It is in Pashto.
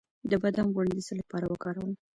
د بادام غوړي د څه لپاره وکاروم؟